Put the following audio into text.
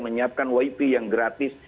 menyiapkan wip yang gratis